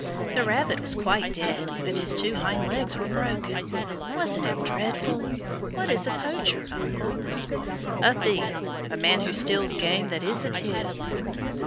The rabbit was quite dead, and his two hind legs were broken. Wasn't it dreadful? What is a poacher, uncle?" "A thief a man that steals game that isn't his."